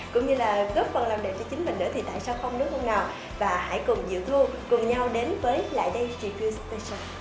cũng như là góp phần làm đầy cho chính mình nữa thì tại sao không đúng không nào và hãy cùng dựng luôn cùng nhau đến với light day refuse station